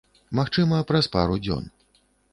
Магчыма, праз пару дзён.